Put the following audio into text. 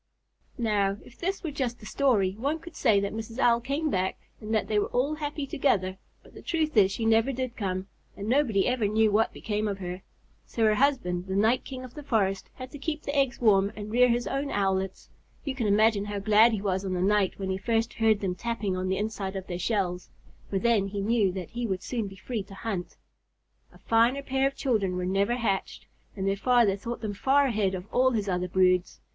Now, if this were just a story, one could say that Mrs. Owl came back and that they were all happy together; but the truth is she never did come, and nobody ever knew what became of her. So her husband, the night king of the forest, had to keep the eggs warm and rear his own Owlets. You can imagine how glad he was on the night when he first heard them tapping on the inside of their shells, for then he knew that he would soon be free to hunt. A finer pair of children were never hatched, and their father thought them far ahead of all his other broods.